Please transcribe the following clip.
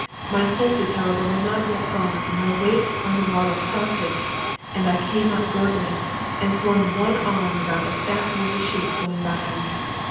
My senses, however, were not yet gone, and my weight on the wattle stopped it, and I came up gurgling, and flung one arm round a fat, woolly sheep going by me.